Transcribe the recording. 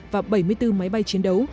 và bảy mươi bốn máy bay chiến đấu